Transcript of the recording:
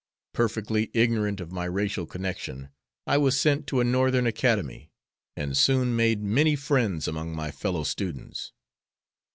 Perfectly ignorant of my racial connection, I was sent to a Northern academy, and soon made many friends among my fellow students.